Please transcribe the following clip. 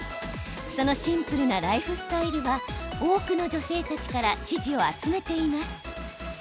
そのシンプルなライフスタイルは多くの女性たちから支持を集めています。